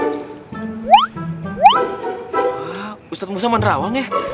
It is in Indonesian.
ustaz ustaz mau sama nerawang ya